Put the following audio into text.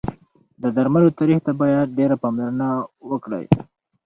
د درملو تاریخ ته باید ډېر پاملرنه وکړی